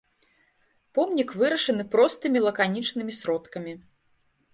Помнік вырашаны простымі лаканічнымі сродкамі.